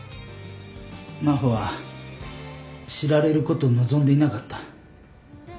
真帆は知られることを望んでいなかった。